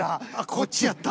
こっちやった。